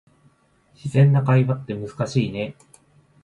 自然な会話って難しいね